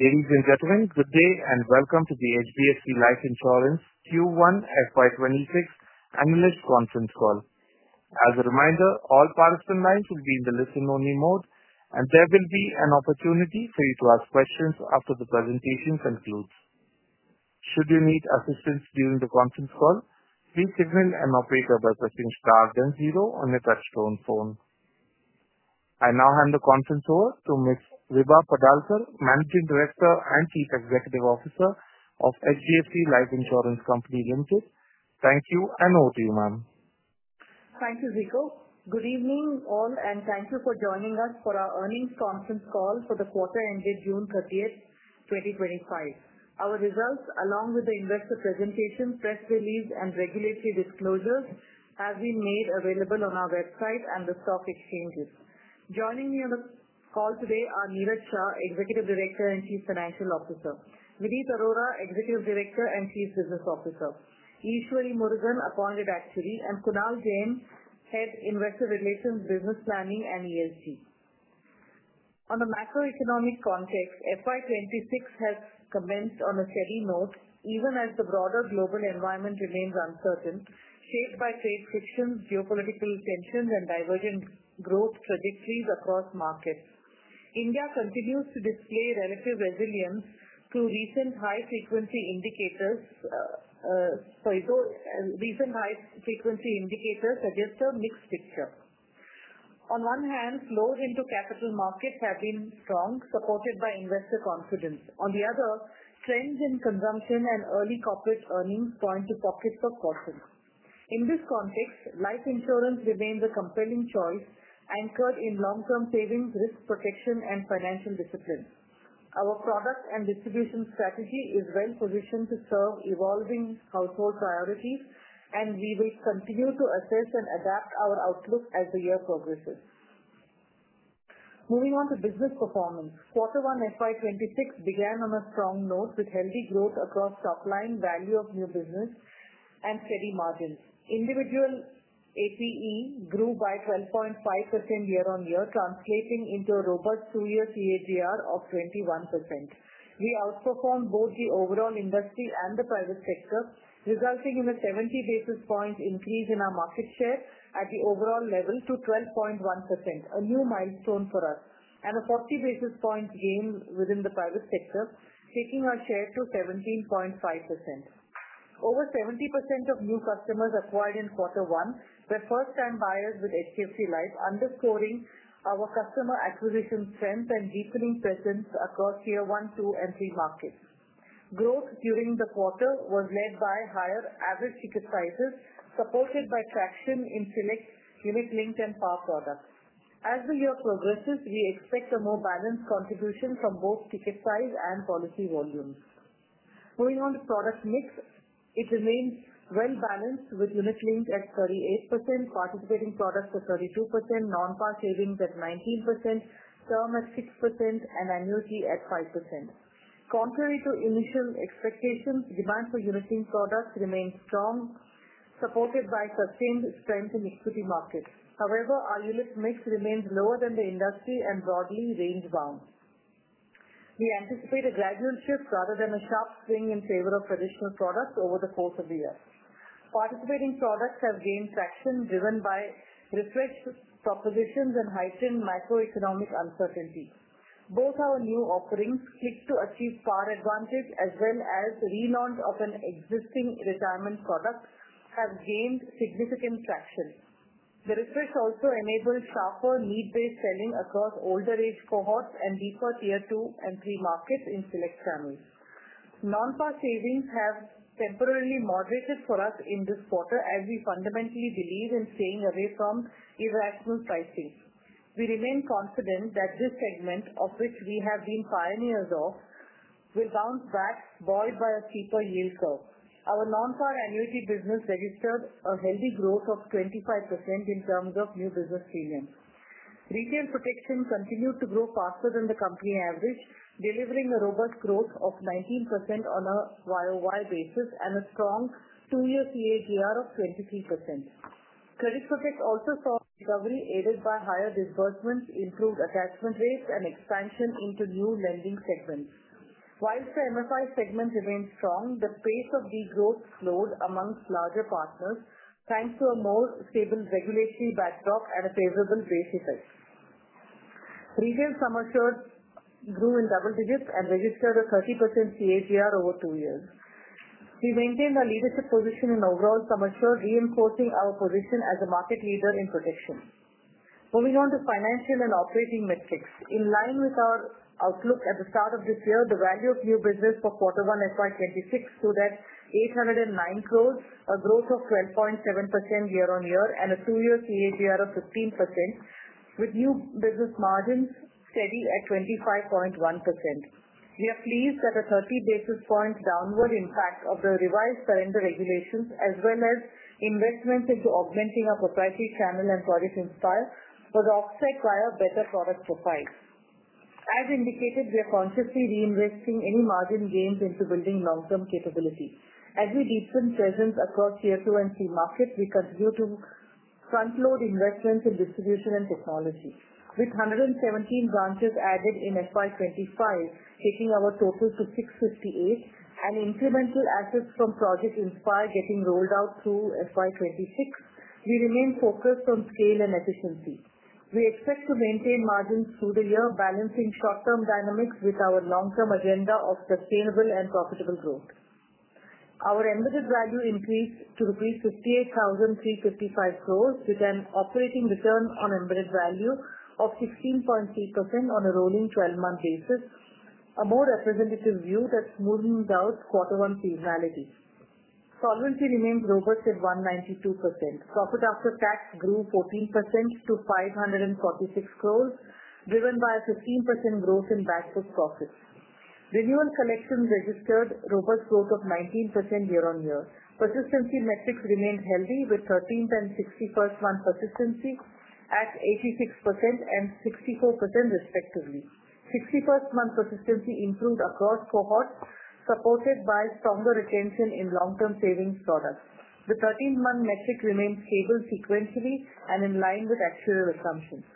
Ladies and gentlemen, good day and welcome to the HDFC Life Insurance Q1 FY26 Analyst Conference Call. As a reminder, all participant lines will be in the listen-only mode, and there will be an opportunity for you to ask questions after the presentation concludes. Should you need assistance during the conference call, please signal an operator by pressing star then zero on your touch-tone phone. I now hand the conference over to Ms. Vibha Padalkar, Managing Director and Chief Executive Officer of HDFC Life Insurance Company Limited. Thank you and over to you, ma'am. Thank you, Vibha. Good evening all, and thank you for joining us for our earnings conference call for the quarter ended June 30, 2025. Our results, along with the investor presentation, press release, and regulatory disclosures, have been made available on our website and the stock exchanges. Joining me on the call today are Niraj Shah, Executive Director and Chief Financial Officer, Vineet Arora, Executive Director and Chief Business Officer, Eshwari Murugan, Appointed Actuary, and Kunal Jain, Head Investor Relations, Business Planning, and ESG. On the macroeconomic context, FY26 has commenced on a steady note, even as the broader global environment remains uncertain, shaped by trade frictions, geopolitical tensions, and divergent growth trajectories across markets. India continues to display relative resilience to recent high-frequency indicators, suggesting a mixed picture. On one hand, flows into capital markets have been strong, supported by investor confidence. On the other, trends in consumption and early corporate earnings point to pockets of fortune. In this context, life insurance remains a compelling choice anchored in long-term savings, risk protection, and financial discipline. Our product and distribution strategy is well-positioned to serve evolving household priorities, and we will continue to assess and adapt our outlook as the year progresses. Moving on to business performance, Q1 FY2026 began on a strong note with healthy growth across top line, value of new business, and steady margins. Individual APE grew by 12.5% year-on-year, translating into a robust two-year CAGR of 21%. We outperformed both the overall industry and the private sector, resulting in a 70 basis point increase in our market share at the overall level to 12.1%, a new milestone for us, and a 40 basis point gain within the private sector, taking our share to 17.5%. Over 70% of new customers acquired in Q1 were first-time buyers with HDFC Life, underscoring our customer acquisition strength and deepening presence across year one, two, and three markets. Growth during the quarter was led by higher average ticket sizes, supported by traction in select unit-linked and Par products. As the year progresses, we expect a more balanced contribution from both ticket size and policy volumes. Moving on to product mix, it remains well-balanced with unit-linked at 38%, participating products at 32%, non-PAR savings at 19%, term at 6%, and annuity at 5%. Contrary to initial expectations, demand for unit-linked products remains strong, supported by sustained strength in equity markets. However, our unit mix remains lower than the industry and broadly range-bound. We anticipate a gradual shift rather than a sharp swing in favor of traditional products over the course of the year. Participating products have gained traction driven by refreshed propositions and heightened macroeconomic uncertainty. Both our new offerings, Click 2 Achieve Par Advantage as well as the relaunch of an existing retirement product, have gained significant traction. The refresh also enabled sharper need-based selling across older age cohorts and deeper tier two and three markets in select families. Non-par savings have temporarily moderated for us in this quarter as we fundamentally believe in staying away from irrational pricing. We remain confident that this segment, of which we have been pioneers of, will bounce back buoyed by a steeper yield curve. Our non-par annuity business registered a healthy growth of 25% in terms of new business premiums. Retail protection continued to grow faster than the company average, delivering a robust growth of 19% on a year-on-year basis and a strong two-year CAGR of 23%. Credit Protect also saw recovery aided by higher disbursements, improved attachment rates, and expansion into new lending segments. While the MFI segment remained strong, the pace of the growth slowed amongst larger partners thanks to a more stable regulatory backdrop and a favorable base effect. Retail sum assured grew in double digits and registered a 30% CAGR over two years. We maintained our leadership position in overall sum assured, reinforcing our position as a market leader in protection. Moving on to financial and operating metrics, in line with our outlook at the start of this year, the value of new business for Q1 FY2026 stood at 809 crore, a growth of 12.7% year-on-year and a two-year CAGR of 15%, with new business margins steady at 25.1%. We are pleased that a 30 basis point downward impact of the revised surrender regulations, as well as investment into augmenting our proprietary channel and project Inspire, was offset by a better product profile. As indicated, we are consciously reinvesting any margin gains into building long-term capability. As we deepen presence across tier two and three markets, we continue to front-load investments in distribution and technology. With 117 branches added in FY2025, taking our total to 658, and incremental assets from project Inspire getting rolled out through FY2026, we remain focused on scale and efficiency. We expect to maintain margins through the year, balancing short-term dynamics with our long-term agenda of sustainable and profitable growth. Our embedded value increased to reach rupees 58,355 crore, with an operating return on embedded value of 16.3% on a rolling 12-month basis, a more representative view that smooths out quarter-on-quarter seasonality. Solvency remains robust at 192%. Profit after tax grew 14% to 546 crore, driven by a 15% growth in backbook profits. Renewal collections registered robust growth of 19% year-on-year. Persistency metrics remained healthy, with 13th and 61st month persistency at 86% and 64% respectively. 61st month persistency improved across cohorts, supported by stronger retention in long-term savings products. The 13th month metric remained stable sequentially and in line with actual assumptions.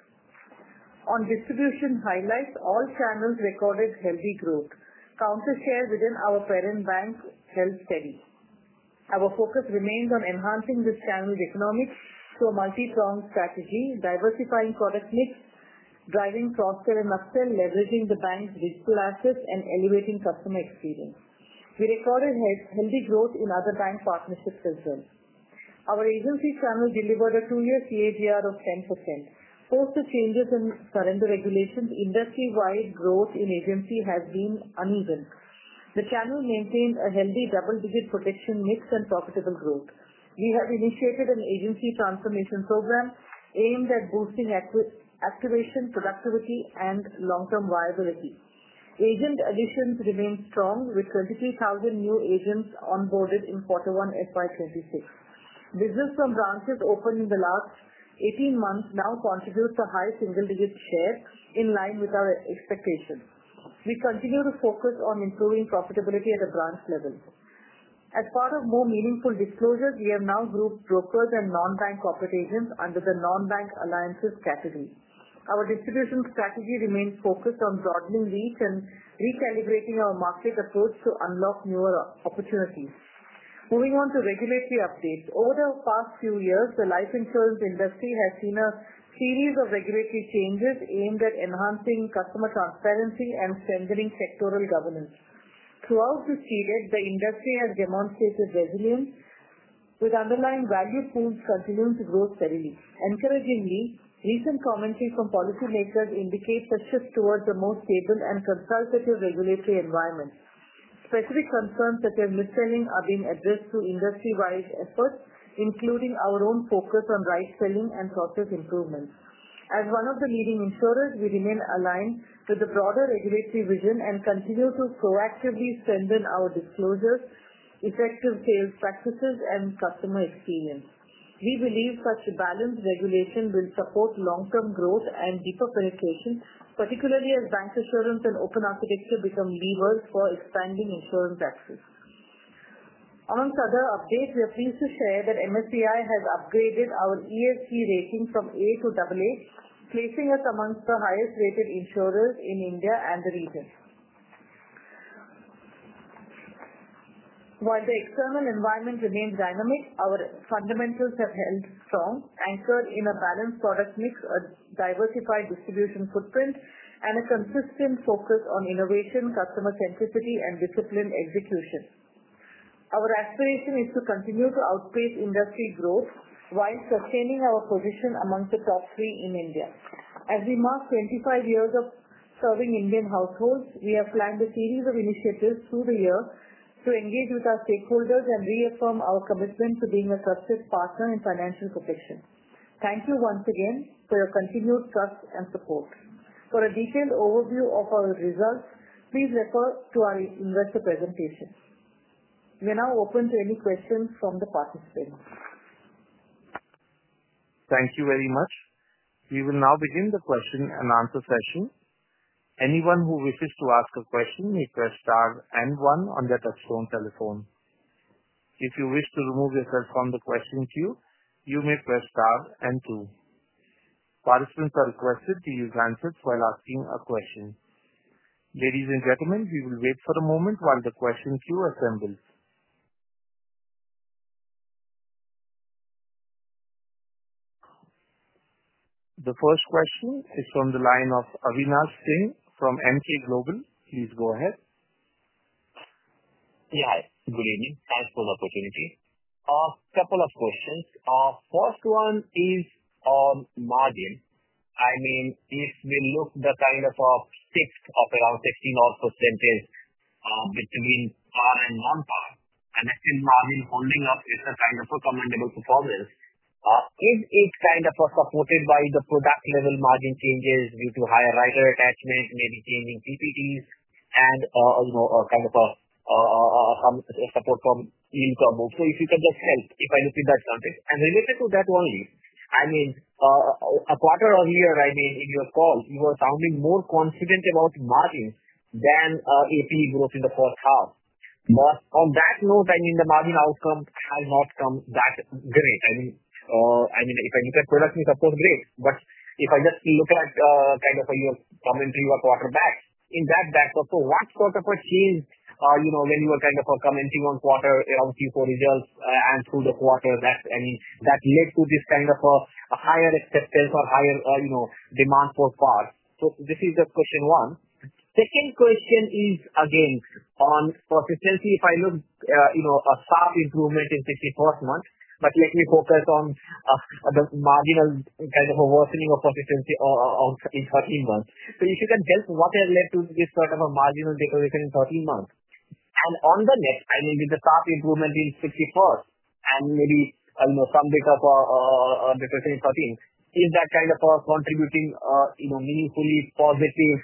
On distribution highlights, all channels recorded healthy growth. Counter share within our parent bank held steady. Our focus remains on enhancing this channel's economics through a multi-pronged strategy, diversifying product mix, driving cross-sell and upsell, leveraging the bank's digital assets, and elevating customer experience. We recorded healthy growth in other bank partnerships as well. Our agency channel delivered a two-year CAGR of 10%. Post the changes in surrender regulations, industry-wide growth in agency has been uneven. The channel maintained a healthy double-digit protection mix and profitable growth. We have initiated an agency transformation program aimed at boosting activation, productivity, and long-term viability. Agent additions remain strong, with 23,000 new agents onboarded in Q1 FY2026. Business from branches opened in the last 18 months now contributes a high single-digit share in line with our expectations. We continue to focus on improving profitability at a branch level. As part of more meaningful disclosures, we have now grouped brokers and non-bank corporate agents under the non-bank alliances category. Our distribution strategy remains focused on broadening reach and recalibrating our market approach to unlock newer opportunities. Moving on to regulatory updates, over the past few years, the life insurance industry has seen a series of regulatory changes aimed at enhancing customer transparency and strengthening sectoral governance. Throughout this period, the industry has demonstrated resilience, with underlying value pools continuing to grow steadily. Encouragingly, recent commentary from policymakers indicates a shift towards a more stable and consultative regulatory environment. Specific concerns such as mis-selling are being addressed through industry-wide efforts, including our own focus on right-selling and process improvements. As one of the leading insurers, we remain aligned with the broader regulatory vision and continue to proactively strengthen our disclosures, effective sales practices, and customer experience. We believe such balanced regulation will support long-term growth and deeper penetration, particularly as bancassurance and open architecture become levers for expanding insurance access. Amongst other updates, we are pleased to share that MSCI has upgraded our ESG rating from A to AA, placing us amongst the highest-rated insurers in India and the region. While the external environment remains dynamic, our fundamentals have held strong, anchored in a balanced product mix, a diversified distribution footprint, and a consistent focus on innovation, customer centricity, and disciplined execution. Our aspiration is to continue to outpace industry growth while sustaining our position amongst the top three in India. As we mark 25 years of serving Indian households, we have planned a series of initiatives through the year to engage with our stakeholders and reaffirm our commitment to being a trusted partner in financial protection. Thank you once again for your continued trust and support. For a detailed overview of our results, please refer to our investor presentation. We are now open to any questions from the participants. Thank you very much. We will now begin the question and answer session. Anyone who wishes to ask a question may press star and one on their touchstone telephone. If you wish to remove yourself from the question queue, you may press star and two. Participants are requested to use handsets while asking a question. Ladies and gentlemen, we will wait for a moment while the question queue assembles. The first question is from the line of Avinash Singh from MK Global. Please go ahead. Yeah, good evening. Thanks for the opportunity. A couple of questions. First one is on margin. I mean, if we look at the kind of fixed of around 16% odd between par and non-par, and I think margin holding up is a kind of a commendable performance. Is it kind of supported by the product-level margin changes due to higher rider attachment, maybe changing PPTs, and kind of a support from yield curve? If you can just help, if I look at that context. Related to that only, I mean, a quarter earlier, I mean, in your call, you were sounding more confident about margins than APE growth in the first half. On that note, I mean, the margin outcome has not come that great. I mean, if I look at product, it's of course great. If I just look at kind of your commentary a quarter back, in that backdrop, what sort of a change when you were kind of commenting on quarter around Q4 results and through the quarter, I mean, that led to this kind of a higher acceptance or higher demand for par? This is the question one. Second question is, again, on proficiency, if I look a sharp improvement in 64th month, but let me focus on the marginal kind of a worsening of proficiency in 13 months. If you can help, what has led to this sort of a marginal decrease in 13 months? On the left, I mean, with the sharp improvement in 61st and maybe some bit of a decrease in 13, is that kind of contributing meaningfully positive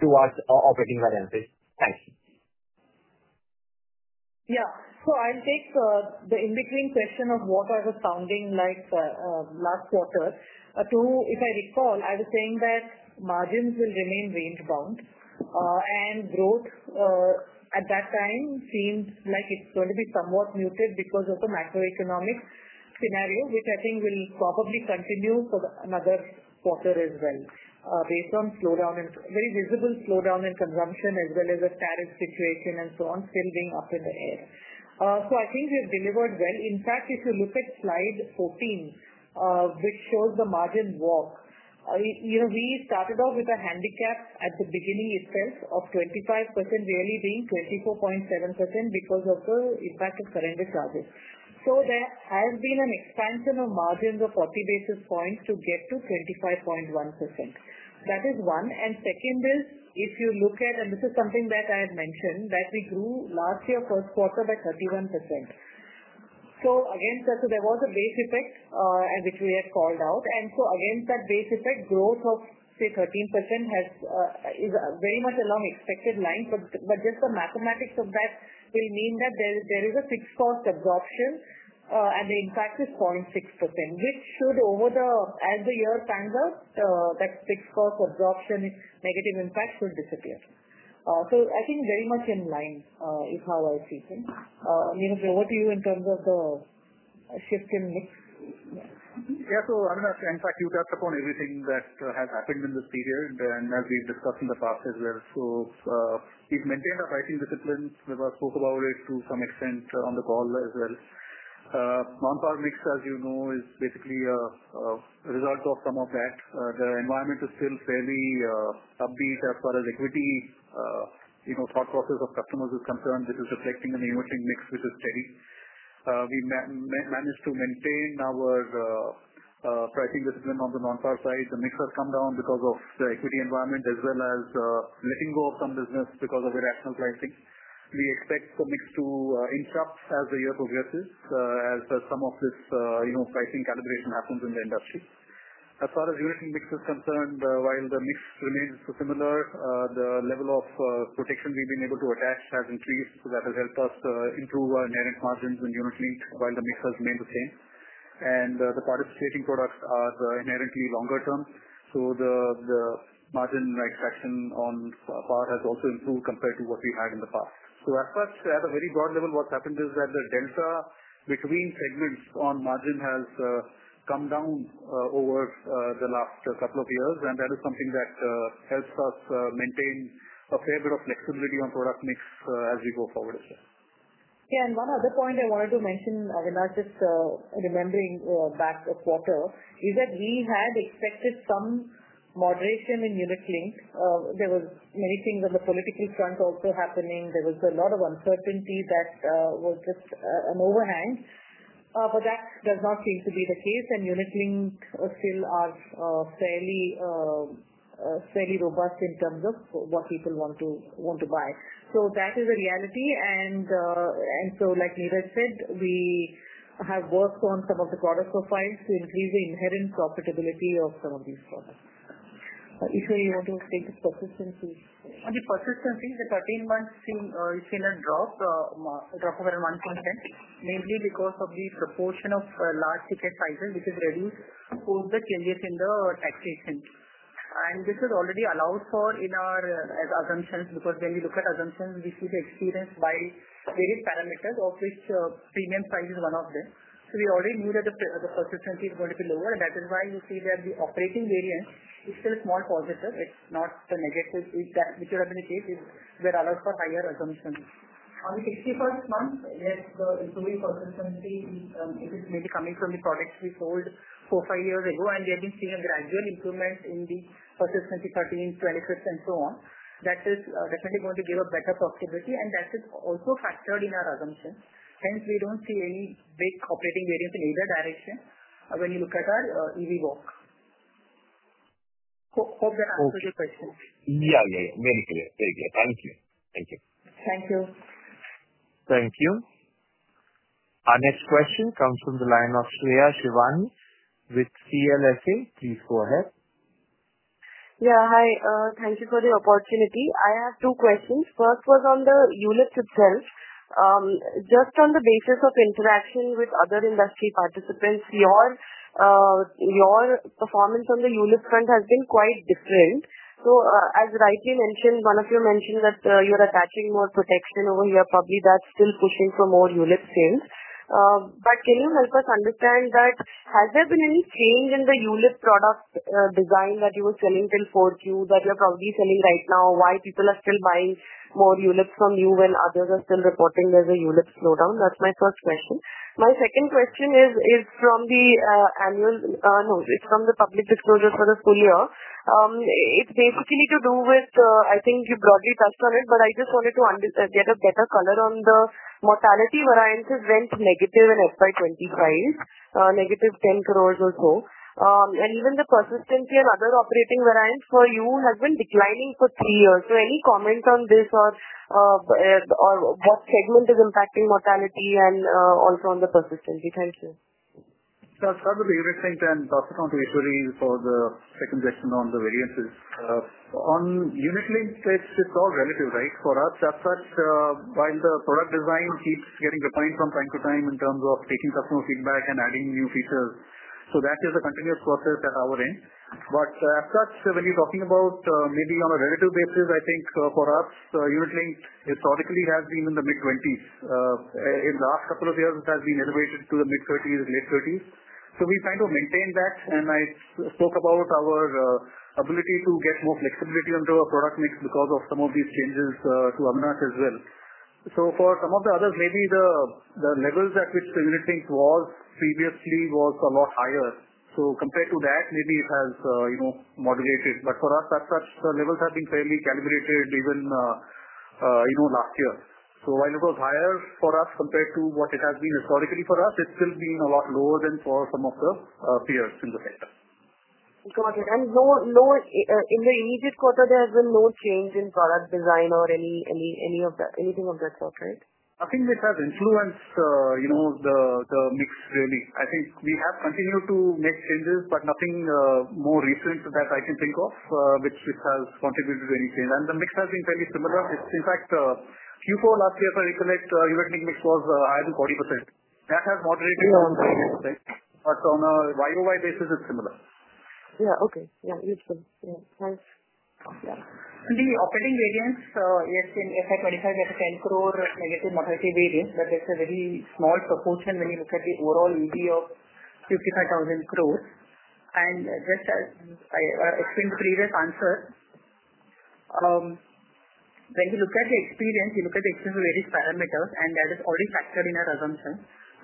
towards operating finances? Thanks. Yeah. I'll take the in-between question of what I was sounding like last quarter. If I recall, I was saying that margins will remain range-bound. Growth at that time seemed like it's going to be somewhat muted because of the macroeconomic scenario, which I think will probably continue for another quarter as well, based on slowdown and very visible slowdown in consumption as well as a tariff situation and so on still being up in the air. I think we have delivered well. In fact, if you look at slide 14, which shows the margin walk, we started off with a handicap at the beginning itself of 25%, really being 24.7% because of the impact of surrender charges. There has been an expansion of margins of 40 basis points to get to 25.1%. That is one. Second is, if you look at, and this is something that I had mentioned, that we grew last year, first quarter, by 31%. There was a base effect which we had called out. Against that base effect, growth of, say, 13%, is very much along expected lines, but just the mathematics of that will mean that there is a fixed cost absorption, and the impact is 0.6%, which should, as the year stands out, that fixed cost absorption negative impact should disappear. I think very much in line is how I see things. Over to you in terms of the shift in mix. Yeah. Avinash, in fact, you touched upon everything that has happened in this period, and as we've discussed in the past as well. We've maintained our pricing disciplines. We've spoken about it to some extent on the call as well. non-par mix, as you know, is basically a result of some of that. The environment is still fairly upbeat as far as equity. Thought process of customers is concerned. This is reflecting in the emerging mix, which is steady. We managed to maintain our pricing discipline on the non-par side. The mix has come down because of the equity environment as well as letting go of some business because of irrational pricing. We expect the mix to interrupt as the year progresses, as some of this pricing calibration happens in the industry. As far as unit link mix is concerned, while the mix remains similar, the level of protection we've been able to attach has increased. That has helped us improve our inherent margins in unit link while the mix has remained the same. The participating products are inherently longer term. The margin extraction on par has also improved compared to what we had in the past. As such, at a very broad level, what's happened is that the delta between segments on margin has come down over the last couple of years, and that is something that helps us maintain a fair bit of flexibility on product mix as we go forward as well. Yeah. One other point I wanted to mention, Avinash, just remembering back a quarter, is that we had expected some moderation in unit link. There were many things on the political front also happening. There was a lot of uncertainty that was just an overhang. That does not seem to be the case, and unit links still are fairly robust in terms of what people want to buy. That is a reality. Like Niraj said, we have worked on some of the product profiles to increase the inherent profitability of some of these products. Eshwari, you want to take the proficiency? The proficiency in the 13th month is in a drop of around 1%, mainly because of the proportion of large ticket sizes, which has reduced due to both the changes in the taxation. This has already been allowed for in our assumptions, because when we look at assumptions, we see the experience by various parameters, of which premium size is one of them. We already knew that the proficiency is going to be lower, and that is why we see that the operating variance is still a small positive. It is not a negative, which would have been the case if we had allowed for higher assumptions. On the 61st month, yes, the improving persistency, it is mainly coming from the products we sold four, five years ago, and we have been seeing a gradual improvement in the persistency 13, 26, and so on. That is definitely going to give a better profitability, and that is also factored in our assumptions. Hence, we do not see any big operating variance in either direction when you look at our EV walk. Hope that answers your question. Yeah. Very clear. Thank you. Thank you. Thank you. Our next question comes from the line of Shreya Shivani with CLSA. Please go ahead. Yeah. Hi. Thank you for the opportunity. I have two questions. First was on the units itself. Just on the basis of interaction with other industry participants, your performance on the unit front has been quite different. As rightly mentioned, one of you mentioned that you're attaching more protection over here. Probably that's still pushing for more unit sales. Can you help us understand that has there been any change in the unit product design that you were selling till Q4 that you're probably selling right now, why are people still buying more units from you when others are still reporting there's a unit slowdown? That's my first question. My second question is from the annual, no, it's from the public disclosure for the full year. It's basically to do with, I think you broadly touched on it, but I just wanted to get a better color on the mortality variances went negative in fiscal year 2025, negative 10 crore or so. And even the proficiency and other operating variance for you has been declining for three years. Any comment on this or what segment is impacting mortality and also on the proficiency? Thank you. That's probably interesting, and pass it on to Eshwari for the second question on the variances. On unit-linked, it's all relative, right? For us, as such, while the product design keeps getting refined from time to time in terms of taking customer feedback and adding new features, that is a continuous process at our end. As such, when you're talking about maybe on a relative basis, I think for us, unit-linked historically has been in the mid-20s. In the last couple of years, it has been elevated to the mid-30s, late 30s. We have kind of maintained that, and I spoke about our ability to get more flexibility onto our product mix because of some of these changes to Avinash as well. For some of the others, maybe the levels at which the unit-linked was previously was a lot higher. Compared to that, maybe it has moderated. For us, as such, the levels have been fairly calibrated even last year. While it was higher for us compared to what it has been historically for us, it has still been a lot lower than for some of the peers in the sector. Got it. In the immediate quarter, there has been no change in product design or anything of that sort, right? Nothing which has influenced. The mix, really. I think we have continued to make changes, but nothing more recent that I can think of which has contributed to any change. The mix has been fairly similar. In fact, Q4 last year, if I recollect, unit-linked mix was higher than 40%. That has moderated to 40%. On a year-over-year basis, it's similar. Yeah. Okay. Yeah. Yeah. Thanks. Yeah. Actually, operating variance, yes, in FY2025, there's a 10 crore negative mortality variance, but that's a very small proportion when you look at the overall EV of 55,000 crore. Just as I explained in the previous answer, when you look at the experience, you look at the experience of various parameters, and that is already factored in our assumption.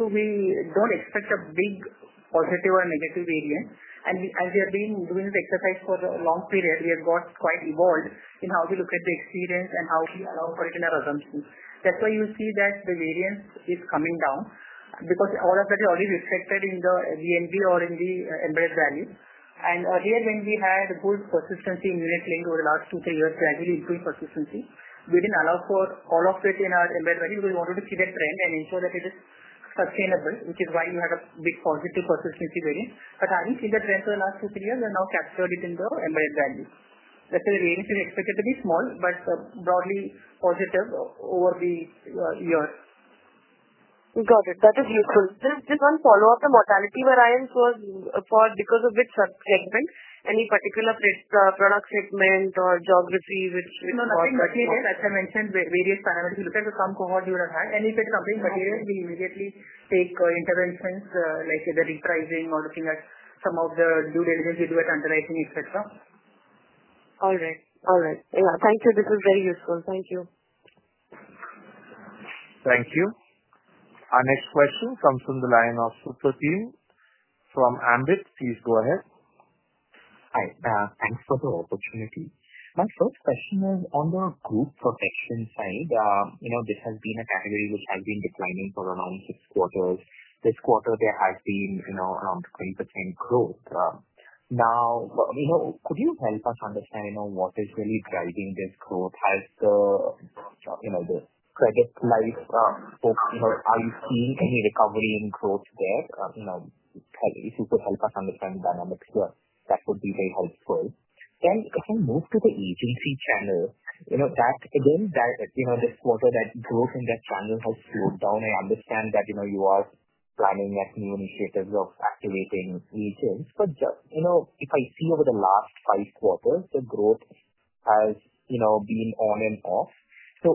We do not expect a big positive or negative variance. As we have been doing this exercise for a long period, we have got quite evolved in how we look at the experience and how we allow for it in our assumptions. That is why you see that the variance is coming down because all of that is already reflected in the VNB or in the embedded value. Earlier, when we had good proficiency in unit-linked over the last two, three years, gradually improved proficiency, we did not allow for all of it in our embedded value because we wanted to see the trend and ensure that it is sustainable, which is why we had a big positive proficiency variance. Having seen the trend for the last two, three years, we have now captured it in the embedded value. That is why the variance is expected to be small, but broadly positive over the year. Got it. That is useful. Just one follow-up. The mortality variance was because of which subsegment? Any particular product segment or geography which? No, nothing specific. As I mentioned, various parameters. We look at the sum cohort, you would have had. If it is something material, we immediately take interventions like either repricing or looking at some of the due diligence we do at underwriting, etc. All right. Yeah. Thank you. This is very useful. Thank you. Thank you. Our next question comes from the line of Supratim from Ambit. Please go ahead. Hi. Thanks for the opportunity. My first question is on the group protection side. This has been a category which has been declining for around six quarters. This quarter, there has been around 20% growth. Now, could you help us understand what is really driving this growth? Has the credit protect, are you seeing any recovery in growth there? If you could help us understand the dynamics here, that would be very helpful. If I move to the agency channel, again, this quarter, that growth in that channel has slowed down. I understand that you are planning at new initiatives of activating agents. If I see over the last five quarters, the growth has been on and off.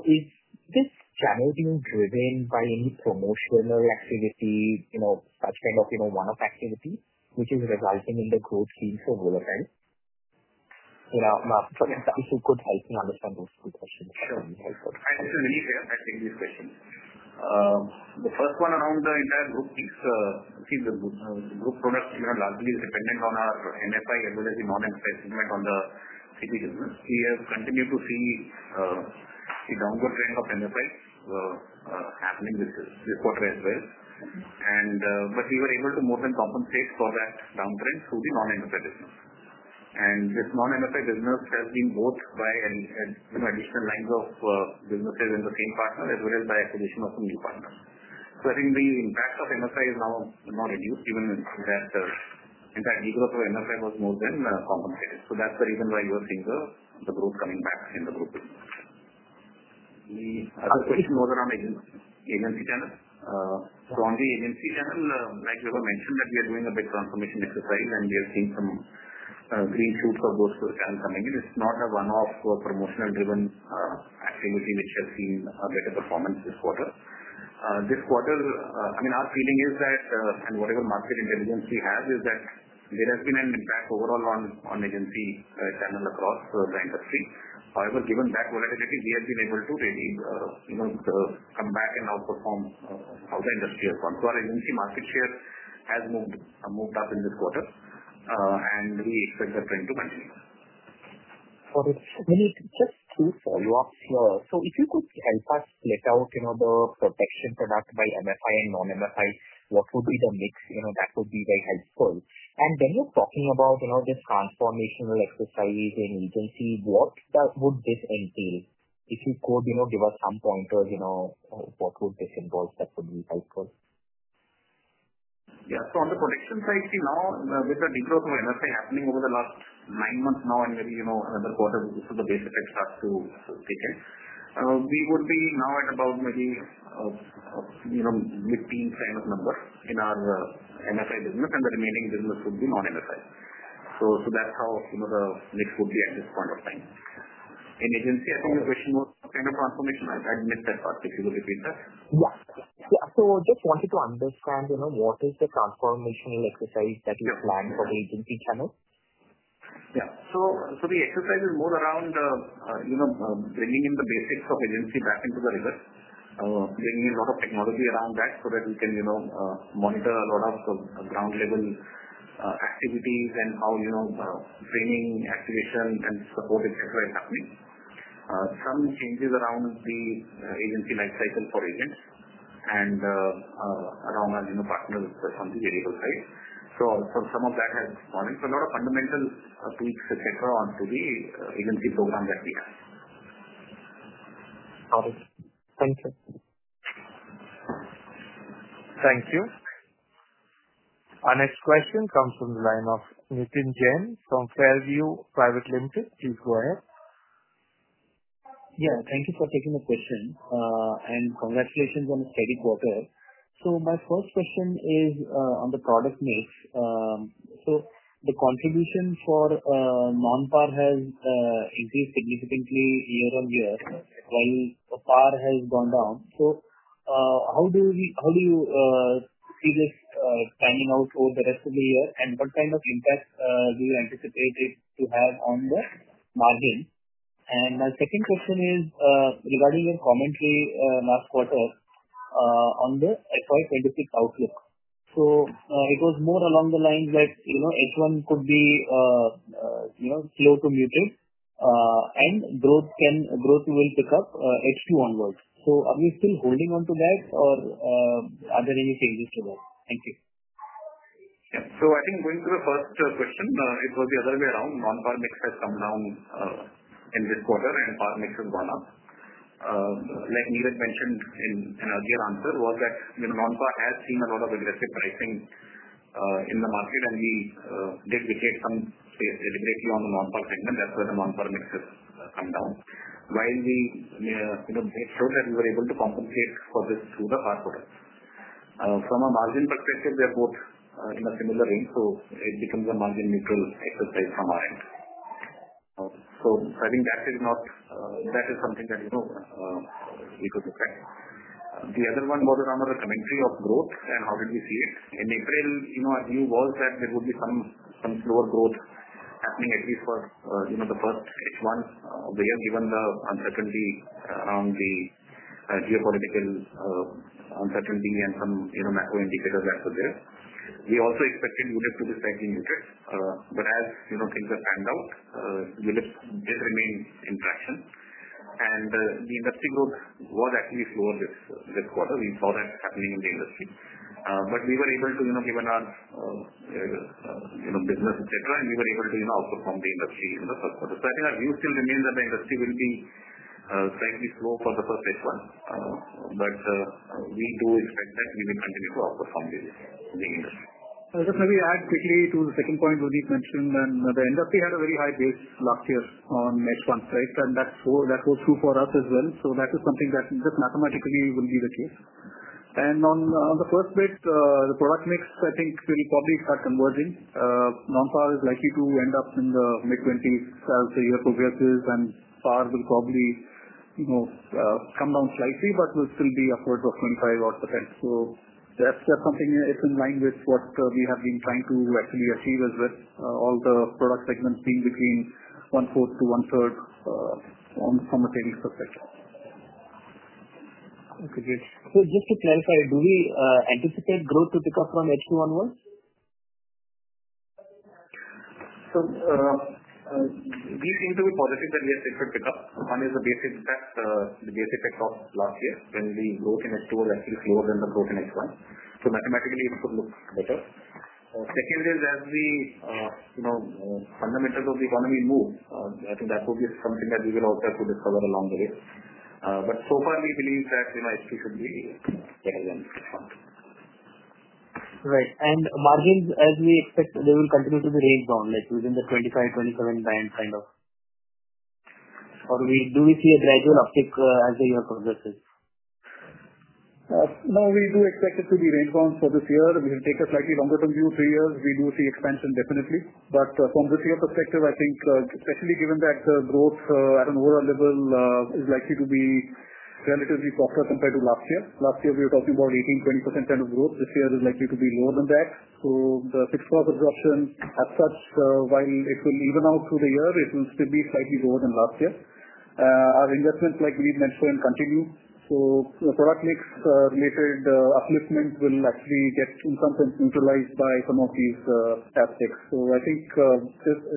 Is this channel being driven by any promotional activity, such kind of one-off activity, which is resulting in the growth being so volatile? For example, if you could help me understand those two questions, that would be helpful. Sure. I understand the need here. I think these questions. The first one around the entire group mix, I think the group products largely are dependent on our MFI as well as the non-MFI segment on the CP. We have continued to see the downward trend of MFI happening this quarter as well. We were able to more than compensate for that downtrend through the non-MFI business. This non-MFI business has been both by additional lines of businesses in the same partner as well as by acquisition of some new partners. I think the impact of MFI is now not reduced, even in that. The growth of MFI was more than compensated. That is the reason why you are seeing the growth coming back in the group business. The other question was around agency channel. On the agency channel, like we have mentioned, we are doing a big transformation exercise, and we have seen some green shoots of those channels coming in. It is not a one-off promotional-driven activity which has seen a better performance this quarter. This quarter, I mean, our feeling is that, and whatever market intelligence we have, is that there has been an impact overall on the agency channel across the industry. However, given that volatility, we have been able to really come back and outperform how the industry has gone. Our agency market share has moved up in this quarter, and we expect that trend to continue. Got it. Vineet, just two follow-ups here. If you could help us split out the protection product by MFI and non-MFI, what would be the mix? That would be very helpful. When you are talking about this transformational exercise in agency, what would this entail? If you could give us some pointers, what would this involve? That would be helpful. Yeah. On the protection side, see now, with the degrowth of MFI happening over the last nine months now and maybe another quarter, this is the basic exercise to take it. We would be now at about maybe 15 kind of numbers in our MFI business, and the remaining business would be non-MFI. That is how the mix would be at this point of time. In agency, I think the question was kind of transformational I have missed that part. If you could repeat that. Yeah. Yeah. Just wanted to understand what is the transformational exercise that you plan for the agency channel? Yeah. The exercise is more around bringing in the basics of agency back into the river, bringing in a lot of technology around that so that we can monitor a lot of ground-level activities and how training, activation, and support, etc., is happening. Some changes around the agency lifecycle for agents and around our partners on the variable side. Some of that has responded. A lot of fundamental tweaks, etc., onto the agency program that we have. Got it. Thank you. Thank you. Our next question comes from the line of Nitin Jain from Fair View Private Limited. Please go ahead. Yeah. Thank you for taking the question. Congratulations on a steady quarter. My first question is on the product mix. The contribution for non-par has increased significantly year on year, while par has gone down. How do you see this panning out over the rest of the year, and what kind of impact do you anticipate it to have on the margin? My second question is regarding your commentary last quarter on the FY2026 outlook. It was more along the lines that H1 could be slow to mutate, and growth will pick up H2 onward. Are we still holding on to that, or are there any changes to that? Thank you. Yeah. I think going to the first question, it was the other way around. Non-par mix has come down in this quarter, and par mix has gone up. Like Niraj mentioned in an earlier answer, Non-par has seen a lot of aggressive pricing in the market, and we did retain some deliberately on the Non-par segment. That is where the non-par mix has come down. While we made sure that we were able to compensate for this through the par quarter. From a margin perspective, we are both in a similar range, so it becomes a margin-neutral exercise from our end. I think that is something that we could look at. The other one was around the commentary of growth and how did we see it. In April, our view was that there would be some slower growth happening, at least for the first H1 of the year, given the uncertainty around the geopolitical uncertainty and some macro indicators that were there. We also expected ULIP to be slightly muted. As things have panned out, ULIPs did remain in traction. The industry growth was actually slower this quarter. We saw that happening in the industry. We were able to, given our business, etc., we were able to outperform the industry in the first quarter. I think our view still remains that the industry will be slightly slow for the first H1. We do expect that we will continue to outperform the industry. Just maybe add quickly to the second point Vineet mentioned, the industry had a very high base last year on H1, right? That holds true for us as well. That is something that just mathematically would not be the case. On the first bit, the product mix, I think, will probably start converging. Non-par is likely to end up in the mid-20s as the year progresses, and par will probably come down slightly, but will still be upwards of 25 or 27. That is just something that is in line with what we have been trying to actually achieve as well, all the product segments being between one-fourth to one-third from a savings perspective. Okay. Great. So just to clarify, do we anticipate growth to pick up from H2 onwards? We seem to be positive that we have different pickups. One is the basic pickup last year when the growth in H2 was actually slower than the growth in H1. Mathematically, it could look better. Second is as we fundamentals of the economy move, I think that will be something that we will also have to discover along the way. So far, we believe that H2 should be better than H1. Right. And margins, as we expect, they will continue to be rangebound, like within the 25-27 band kind of? Or do we see a gradual uptick as the year progresses? No, we do expect it to be rangebound for this year. We'll take a slightly longer-term view, three years. We do see expansion, definitely. From this year's perspective, I think, especially given that the growth at an overall level is likely to be relatively softer compared to last year. Last year, we were talking about 18-20% kind of growth. This year is likely to be lower than that. The fixed cost absorption, as such, while it will even out through the year, will still be slightly lower than last year. Our investments, like we've mentioned, continue. The product mix-related upliftment will actually get, in some sense, neutralized by some of these aspects. I think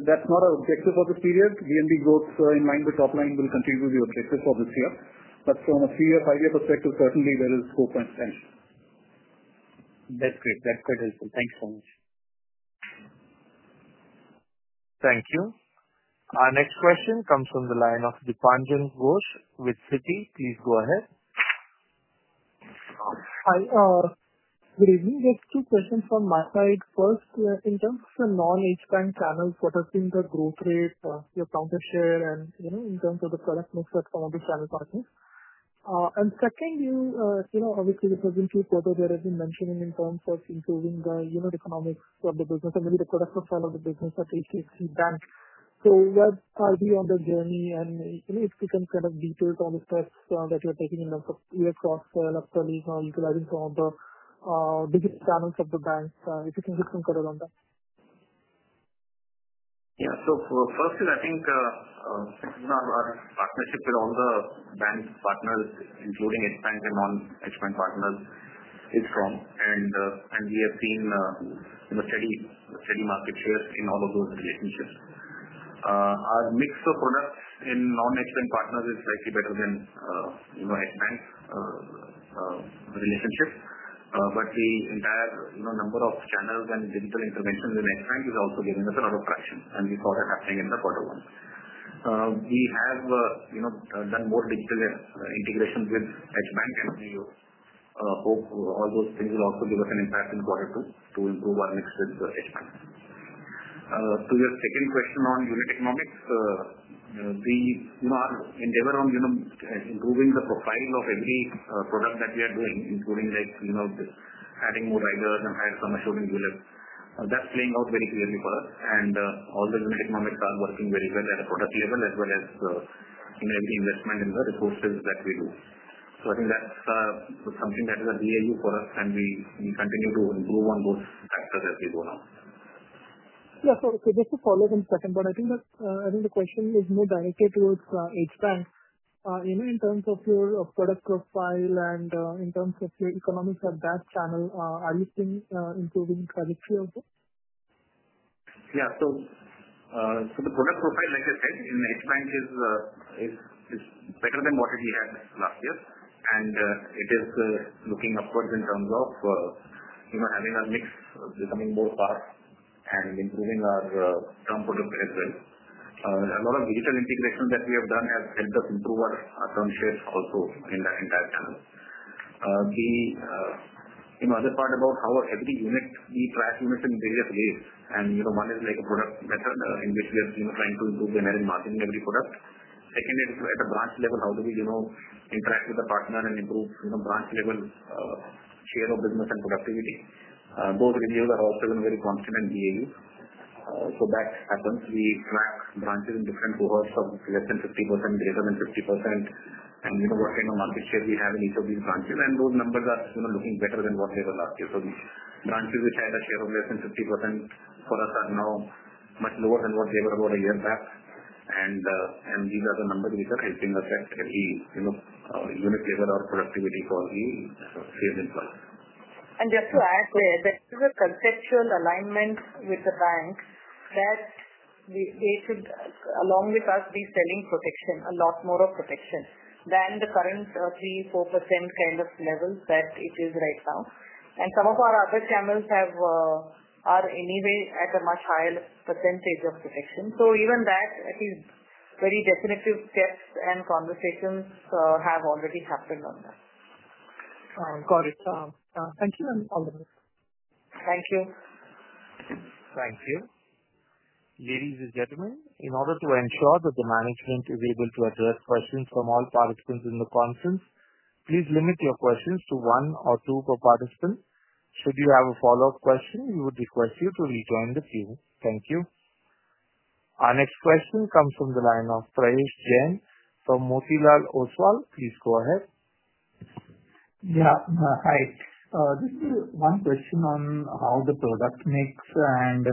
that's not our objective for this period. VNB growth in line with top line will continue to be objective for this year. From a three-year, five-year perspective, certainly, there is hope and potential. That's great. That's quite helpful. Thanks so much. Thank you. Our next question comes from the line of Dipanjan Ghosh with Citi. Please go ahead. Hi. Good evening. Just two questions from my side. First, in terms of the non-HDFC Bank channel, what has been the growth rate, your pound-per-share, and in terms of the product mix at some of these channel partners? Second, obviously, the present few quarters there has been mentioning in terms of improving the economics of the business and maybe the product profile of the business at HDFC Bank. What are we on the journey? If you can kind of detail some of the steps that you're taking in terms of e-ccross-selling, upsellingross-sell, after utilizing some of the digital channels of the banks, if you can give some color on that. Yeah. So firstly, I think partnership with all the bank partners, including HDFC Bank and non-HDFC Bank partners, is strong. We have seen a steady market share in all of those relationships. Our mix of products in non-HDFC Bank partners is slightly better than HDFC Bank relationship. The entire number of channels and digital interventions in HDFC Bank is also giving us a lot of traction. We saw that happening in quarter one. We have done more digital integration with HDFC Bank, and we hope all those things will also give us an impact in quarter two to improve our mix with HDFC Bank. To your second question on unit economics. Our endeavor on improving the profile of every product that we are doing, including adding more riders and hiring some assuring ULIPs, that's playing out very clearly for us. All the unit economics are working very well at a product level, as well as every investment in the resources that we do. I think that is something that is a BAU for us, and we continue to improve on those factors as we go along. Yeah. Just to follow up on the second one, I think the question is more directed towards HDFC Bank. In terms of your product profile and in terms of your economics at that channel, are you seeing improving trajectory also? Yeah. So, the product profile, like I said, in HDFC Bank is better than what we had last year. It is looking upwards in terms of having our mix becoming more fast and improving our term product as well. A lot of digital integration that we have done has helped us improve our term shares also in that entire channel. The other part about how every unit, we track units in various ways. One is like a product method in which we are trying to improve the merit marketing of every product. Second, at the branch level, how do we interact with the partner and improve branch-level share of business and productivity? Those reviews are also very constant and BAU. That happens. We track branches in different cohorts of less than 50%, greater than 50%, and what kind of market share we have in each of these branches. Those numbers are looking better than what they were last year. Branches which had a share of less than 50% for us are now much lower than what they were about a year back. These are the numbers which are helping us at every unit level or productivity for the sales employees. Just to add, there is a conceptual alignment with the bank that they should, along with us, be selling protection, a lot more of protection than the current 3-4% kind of level that it is right now. Some of our other channels are anyway at a much higher percentage of protection. At least very definitive steps and conversations have already happened on that. Got it. Thank you, Vineet. All the best. Thank you. Thank you. Ladies and gentlemen, in order to ensure that the management is able to address questions from all participants in the conference, please limit your questions to one or two per participant. Should you have a follow-up question, we would request you to rejoin the queue. Thank you. Our next question comes from the line of Prayesh Jain from Motilal Oswal. Please go ahead. Yeah. Hi. This is one question on how the product mix and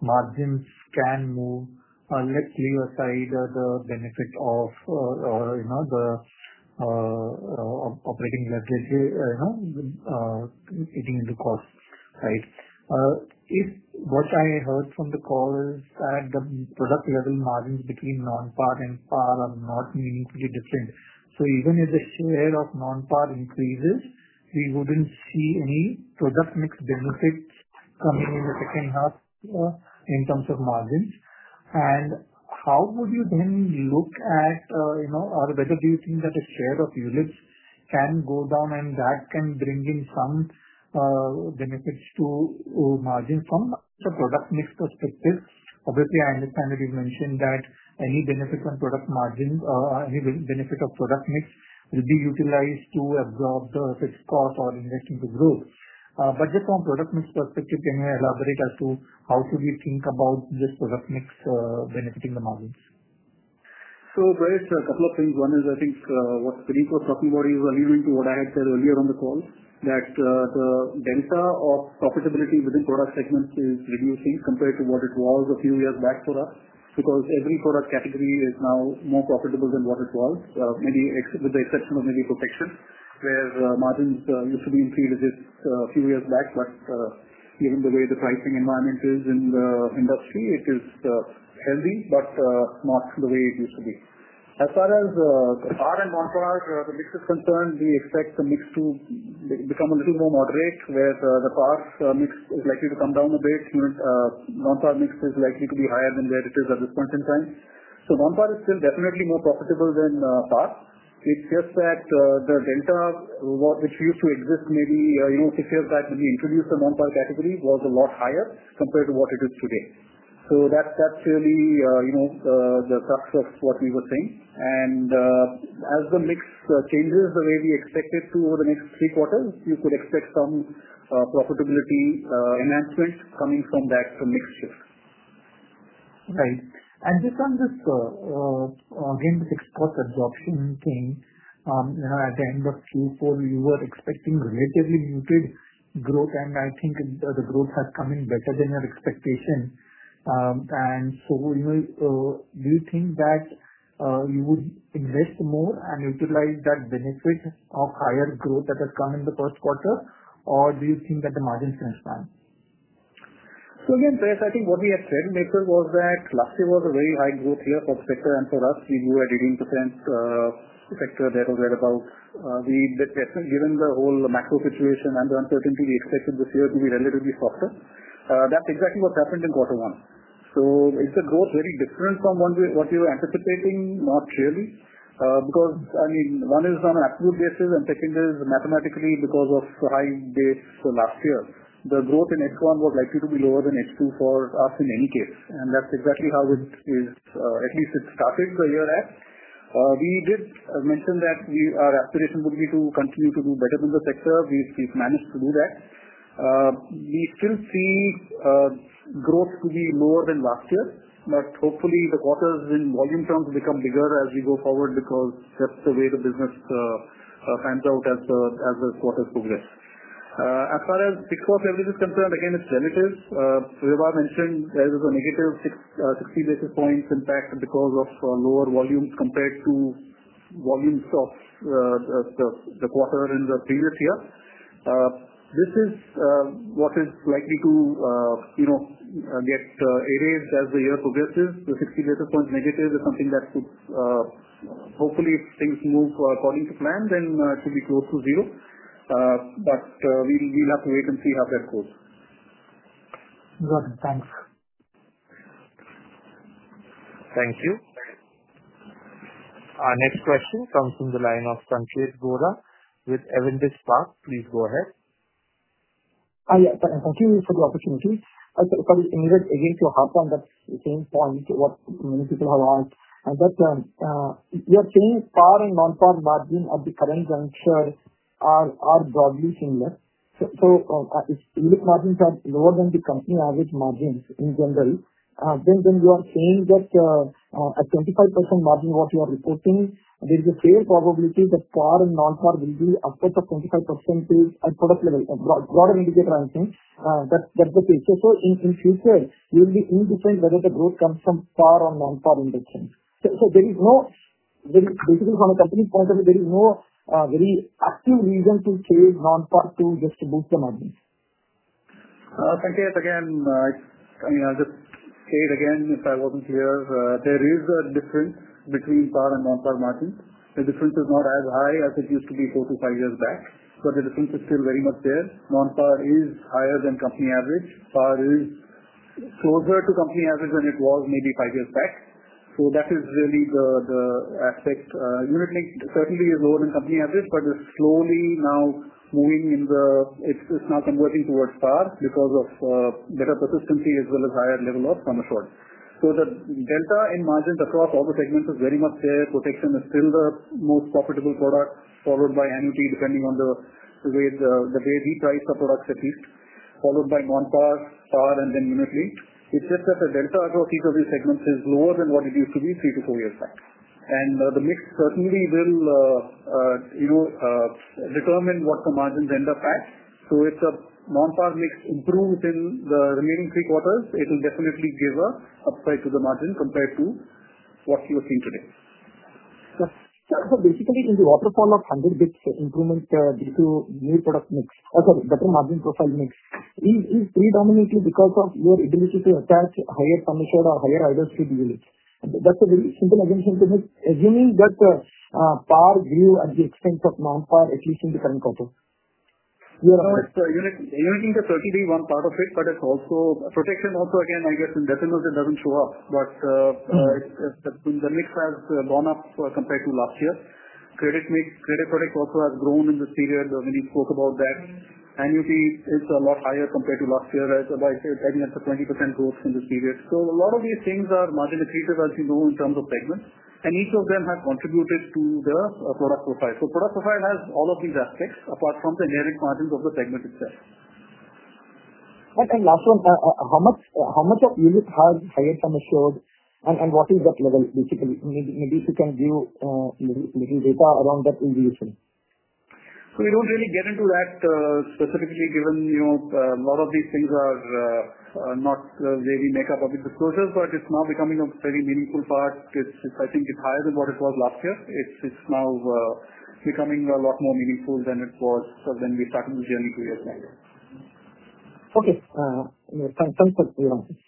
margins can move. Let's leave aside the benefit of the operating leverage eating into cost, right? What I heard from the call is that the product-level margins between non-par and par are not meaningfully different. So even if the share of non-non increases, we would not see any product-mix benefits coming in the second half in terms of margins. How would you then look at, or whether do you think that the share of units can go down and that can bring in some benefits to margins from the product-mix perspective? Obviously, I understand that you have mentioned that any benefits on product margins, any benefit of product mix will be utilized to absorb the fixed cost or invest into growth. Just from a product-mix perspective, can you elaborate as to how should we think about this product mix benefiting the margins? Prayesh, a couple of things. One is, I think what Vineet was talking about is alluding to what I had said earlier on the call, that the delta of profitability within product segments is reducing compared to what it was a few years back for us. Because every product category is now more profitable than what it was, with the exception of maybe protection, where margins used to be in three digits a few years back. Given the way the pricing environment is in the industry, it is healthy, but not the way it used to be. As far as par and non-par, the mix is concerned, we expect the mix to become a little more moderate, where the par mix is likely to come down a bit, non-par mix is likely to be higher than where it is at this point in time. Non-par is still definitely more profitable than par. It's just that the delta, which used to exist maybe six years back when we introduced the non-par category, was a lot higher compared to what it is today. That's really the crux of what we were saying. As the mix changes the way we expect it to over the next three quarters, you could expect some profitability enhancement coming from that mixture. Right. And just on this, again, the fixed cost absorption thing, at the end of Q4, we were expecting relatively muted growth, and I think the growth has come in better than your expectation. Do you think that you would invest more and utilize that benefit of higher growth that has come in the first quarter, or do you think that the margins can expand? Again, Prayesh, I think what we had said later was that last year was a very high growth year for the sector. And for us, we grew at 18% or thereabouts That was right about. Given the whole macro situation and the uncertainty, we expected this year to be relatively softer. That is exactly what happened in quarter one. Is the growth very different from what we were anticipating? Not really. Because, I mean, one is on an absolute basis, and second is mathematically, because of high base last year, the growth in H1 was likely to be lower than H2 for us in any case. That is exactly how it is, at least it started the year at. We did mention that our aspiration would be to continue to do better than the sector. We have managed to do that. We still see growth to be lower than last year, but hopefully, the quarters in volume terms become bigger as we go forward because that's the way the business pans out as the quarters progress. As far as fixed cost leverage is concerned, again, it's relative. Vibha mentioned there is a negative 60 basis points impact because of lower volumes compared to volumes of the quarter in the previous year. This is what is likely to get erased as the year progresses. The 60 basis points negative is something that could, hopefully, if things move according to plan, then it should be close to zero. We will have to wait and see how that goes. Got it. Thanks. Thank you. Our next question comes from the line of Sanketh Godha with Avendus Spark. Please go ahead. Yeah. Thank you for the opportunity. Sorry, Vineet, again, to harp on that same point, what many people have asked. You are saying par and non-par margin at the current juncture are broadly similar. If unit margins are lower than the company average margin in general, then you are saying that at 25% margin, what you are reporting, there is a fair probability that par and non-par will be upwards of 25% at product level. A broader indicator, I think, that's the case. In future, we will be indifferent whether the growth comes from par or non-par indexing. There is no, basically, from a company point of view, there is no very active reason to trade non-par to just boost the margin. Sanketh, again, I mean, I'll just say it again if I wasn't clear. There is a difference between par and non-par margin. The difference is not as high as it used to be four to five years back, but the difference is still very much there. Non-par is higher than company average. Par is closer to company average than it was maybe five years back. That is really the aspect. Unit linked certainly is lower than company average, but it's slowly now moving in the, it's now converting towards par because of better persistency as well as higher level of commercial. The delta in margins across all the segments is very much there. Protection is still the most profitable product, followed by annuity, depending on the way we price the products at least, followed by non-par, par, and then unit linked. It's just that the delta across each of these segments is lower than what it used to be three to four years back. The mix certainly will determine what the margins end up at. If the non-par mix improves in the remaining three quarters, it will definitely give an upside to the margin compared to what you are seeing today. Basically, in the waterfall of 100 basis points improvement due to new product mix, or sorry, better margin profile mix, is predominantly because of your ability to attach higher commission or higher riders to the unit. That is a very simple exemption to make, assuming that par grew at the expense of non-par, at least in the current quarter. No, unit-linked is certainly one part of it, but it is also protection. Also, again, I guess in decimals, it does not show up. The mix has gone up compared to last year. Credit protect also has grown in this period. Nideesh spoke about that. Annuity is a lot higher compared to last year. It is about, I think, up to 20% growth in this period. A lot of these things are margin-accretive, as you know, in terms of segments. Each of them has contributed to the product profile. Product profile has all of these aspects apart from the inherent margins of the segment itself. Last one, how much of unit has higher commission? What is that level, basically? Maybe if you can give a little data around that, will be useful. We do not really get into that specifically given a lot of these things are not where we make public disclosures, but it is now becoming a very meaningful part. I think it is higher than what it was last year. It is now becoming a lot more meaningful than it was when we started the journey two years back. Okay. Thanks for your answers.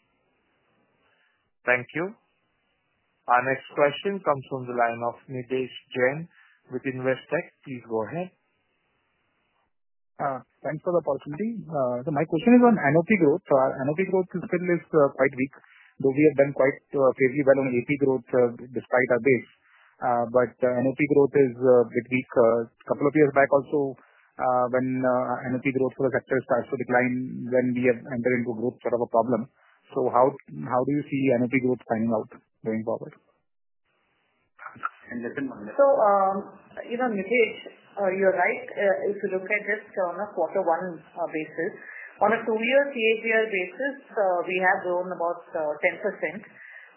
Thank you. Our next question comes from the line of Nideesh Jain with Investec India. Please go ahead. Thanks for the opportunity. My question is on annuity growth. Our annuity growth still is quite weak. Though we have done quite fairly well on APE growth despite our base, annuity growth is a bit weak. A couple of years back also, when annuity growth for the sector starts to decline, we enter into growth sort of a problem. How do you see annuity growth panning out going forward? Nidhesh, you're right. If you look at this on a quarter one basis, on a two-year CAGR basis, we have grown about 10%.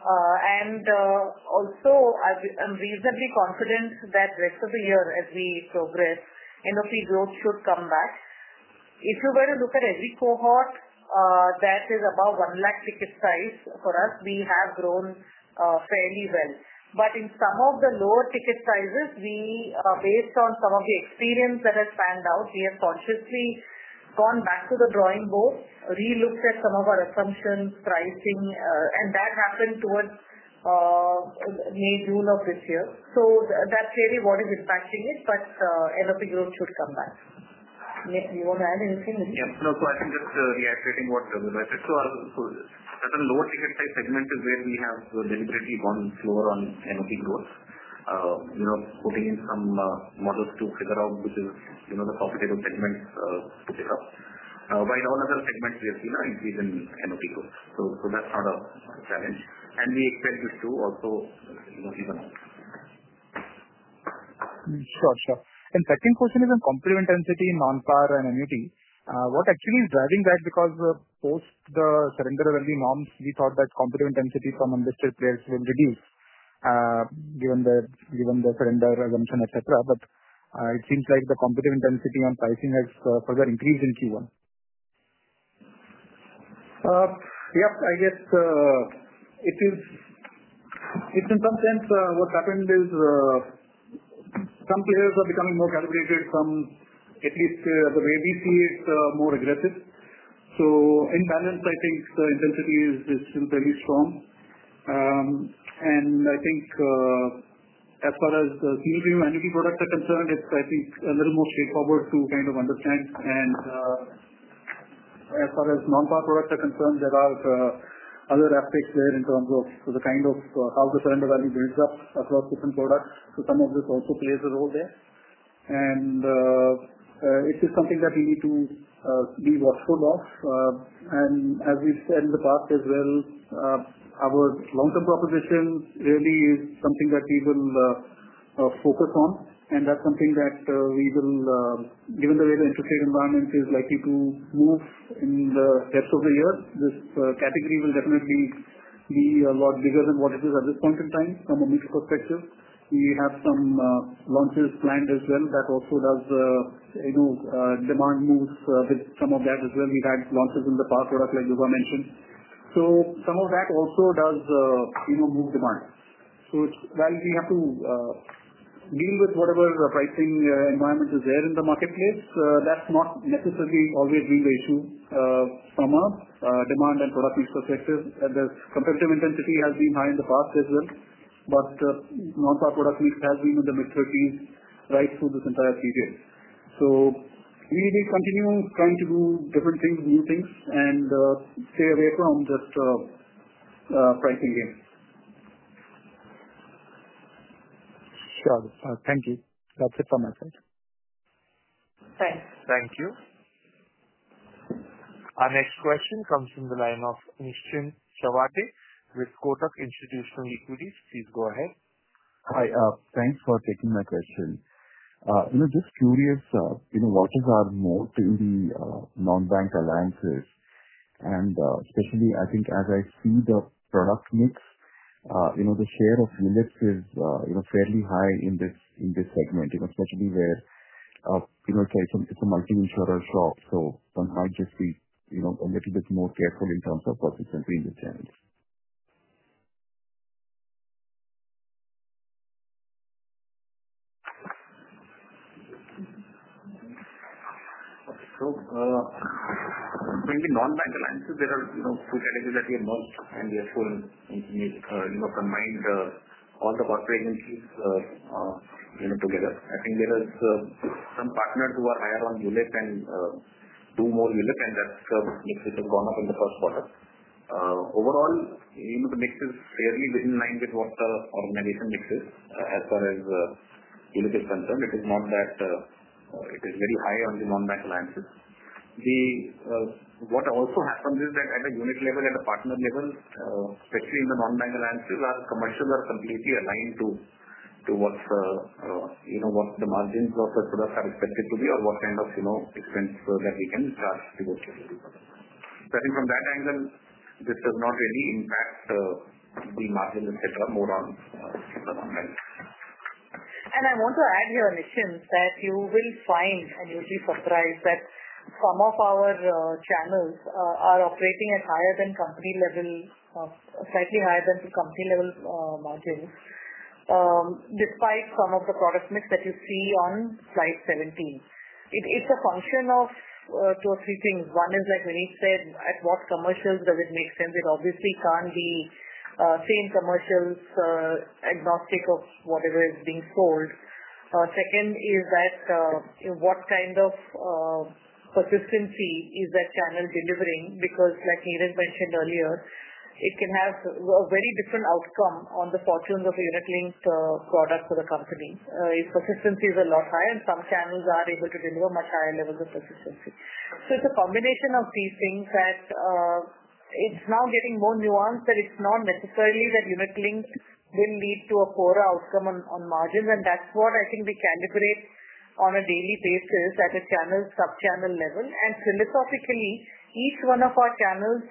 Also, I'm reasonably confident that rest of the year, as we progress, NOP growth should come back. If you were to look at every cohort, that is about 1 lakh ticket size. For us, we have grown fairly well. In some of the lower ticket sizes, based on some of the experience that has panned out, we have consciously gone back to the drawing board, re-looked at some of our assumptions, pricing, and that happened towards May, June of this year. That's really what is impacting it, but NOP growth should come back. Do you want to add anything? Yeah. No question. Just reiterating what Vibha said. Certain lower ticket size segment is where we have deliberately gone slower on NOP growth. Putting in some models to figure out which is the profitable segments to pick up. While all other segments we have seen are increasing NOP growth. That is not a challenge. We expect this to also even out. Sure, sure. Second question is on complement density, non-par, and annuity. What actually is driving that? Because post the surrender early norms, we thought that complement density from enlisted players will reduce. Given the surrender exemption, etc. It seems like the complement density on pricing has further increased in Q1. Yeah. I guess it is in some sense, what's happened is some players are becoming more calibrated, some at least the way we see it, more aggressive. In balance, I think the intensity is still fairly strong. I think as far as the single-view annuity products are concerned, it's I think, a little more straightforward to kind of understand. As far as non-par products are concerned, there are other aspects there in terms of the kind of how the surrender value builds up across different products. Some of this also plays a role there. It is something that we need to be watchful of. As we've said in the past as well, our long-term proposition really is something that we will focus on. That is something that we will, given the way the interest rate environment is likely to move in the rest of the year, this category will definitely be a lot bigger than what it is at this point in time. From a mix perspective, we have some launches planned as well that also does demand moves with some of that as well. We have had launches in the par product, like Vibha mentioned. Some of that also does move demand. While we have to deal with whatever pricing environment is there in the marketplace, that has not necessarily always been the issue from a demand and product mix perspective. The competitive intensity has been high in the past as well. The non-par product mix has been in the mid-30% right through this entire period. We will continue trying to do different things, new things, and stay away from just pricing game. Sure. Thank you. That's it from my side. Thanks. Thank you. Our next question comes from the line of Nischint Chawathe with Kotak Institutional Equities. Please go ahead. Hi. Thanks for taking my question. Just curious, what is our moat in the non-bank alliances? Especially, I think as I see the product mix, the share of units is fairly high in this segment, especially where it's a multi-insurer shop. One might just be a little bit more careful in terms of participating in these challenges. When we say non-bank alliances, there are two categories that we have merged, and we have combined all the corporate agencies together. I think there are some partners who are higher on unit and do more unit, and that's gone up in the first quarter. Overall, the mix is fairly within line with what the organization mix is as far as unit is concerned. It is not that it is very high on the non-bank alliances. What also happens is that at a unit level, at a partner level, especially in the non-bank alliances, our commercials are completely aligned to what the margins of the products are expected to be or what kind of expense that we can charge to those people. I think from that angle, this does not really impact the margin, etc., more on the non-bank. I want to add here, Nischint, that you will find, and you will be surprised, that some of our channels are operating at higher than company level, slightly higher than the company level margins. Despite some of the product mix that you see on slide 17. It is a function of two or three things. One is, like Vineet said, at what commercials does it make sense? It obviously cannot be same commercials, agnostic of whatever is being sold. Second is that, what kind of persistency is that channel delivering? Because, like Niraj mentioned earlier, it can have a very different outcome on the fortunes of a unit-linked product for the company. If persistency is a lot higher, some channels are able to deliver much higher levels of persistency. So it is a combination of these things that is now getting more nuanced that it is not necessarily that unit-linked will lead to a poorer outcome on margins. That is what I think we calibrate on a daily basis at a channel, sub-channel level. Philosophically, each one of our channels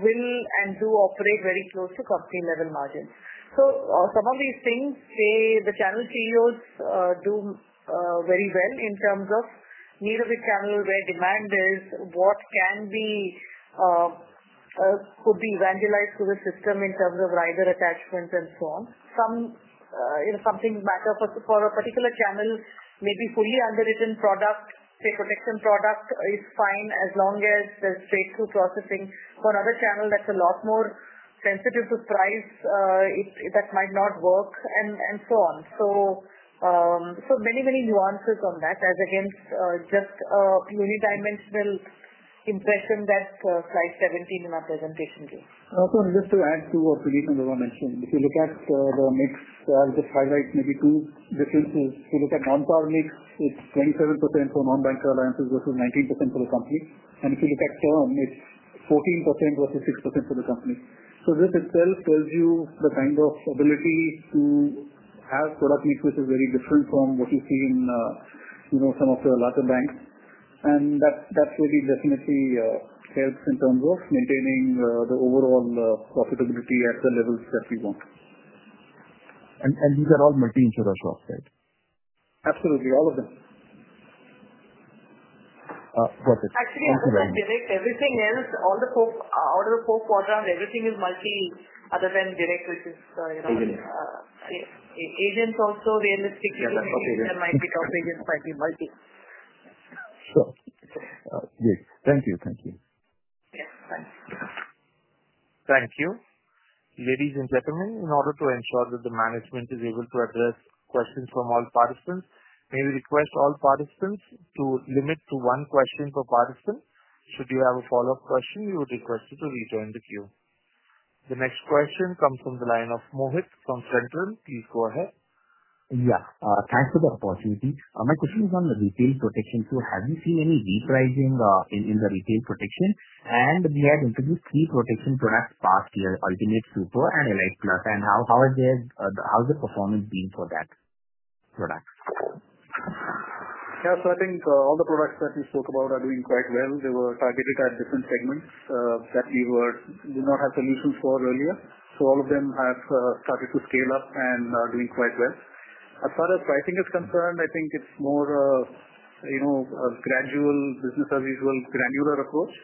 will and do operate very close to company-level margins. Some of these things, say, the channel CEOs do very well in terms of meeting with channels where demand is, what can be evangelized to the system in terms of rider attachments and so on. Some things matter. For a particular channel, maybe fully underwritten product, say, protection product is fine as long as there is straight-through processing. For another channel that is a lot more sensitive to price, that might not work, and so on. Many, many nuances on that, as against just a unidimensional impression that slide 17 in our presentation gives. Also, just to add to what Vibha mentioned, if you look at the mix, I'll just highlight maybe two differences. If you look at non-par mix, it's 27% for non-bank alliances versus 19% for the company. If you look at term, it's 14% versus 6% for the company. This itself tells you the kind of ability to have product mix, which is very different from what you see in some of the larger banks. That really definitely helps in terms of maintaining the overall profitability at the levels that we want. These are all multi-insurer shops, right? Absolutely. All of them. Perfect. Actually, I'm sorry, everything else, out of the four quadrants, everything is multi other than Vibha, which is agents. Agents also, realistically, there might be 12 agents, might be multi. Sure. Great. Thank you. Thank you. Yes. Thanks. Thank you. Ladies and gentlemen, in order to ensure that the management is able to address questions from all participants, may we request all participants to limit to one question per participant? Should you have a follow-up question, we would request you to rejoin the queue. The next question comes from the line of Mohit from Centrum. Please go ahead. Yeah. Thanks for the opportunity. My question is on the retail protection too. Have you seen any repricing in the retail protection? We had introduced three protection products past year, Ultimate Super and Elite Plus. How has the performance been for that product? Yeah. So I think all the products that we spoke about are doing quite well. They were targeted at different segments that we did not have solutions for earlier. All of them have started to scale up and are doing quite well. As far as pricing is concerned, I think it's more a gradual business-as-usual granular approach.